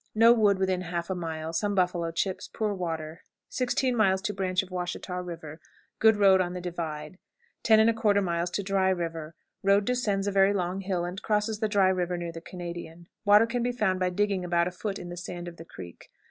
No wood within half a mile; some buffalo chips; poor water. 16. Branch of Washita River. Good road on the divide. 10 1/4. Dry River. Road descends a very long hill, and crosses the dry river near the Canadian. Water can be found by digging about a foot in the sand of the creek.